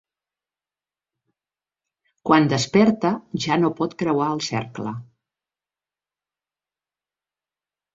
Quan desperta ja no pot creuar el cercle.